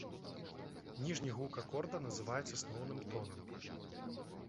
Ніжні гука акорда называюць асноўным тонам.